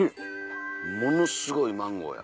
ものすごいマンゴーや。